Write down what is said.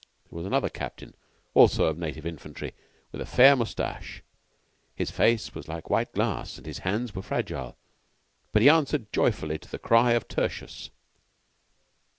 There was another captain, also of Native Infantry, with a fair mustache; his face was like white glass, and his hands were fragile, but he answered joyfully to the cry of Tertius.